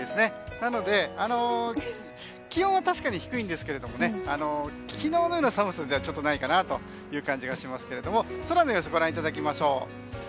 なので気温は確かに低いんですけども昨日のような寒さではないかなという感じがしますけれども空の様子ご覧いただきましょう。